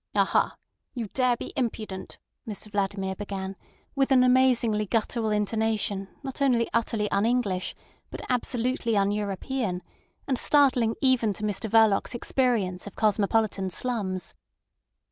"Aha! You dare be impudent," Mr Vladimir began, with an amazingly guttural intonation not only utterly un English, but absolutely un European, and startling even to Mr Verloc's experience of cosmopolitan slums.